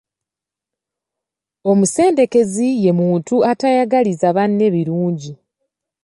Omuseddeekezi ye muntu atayagaliza banne birungi.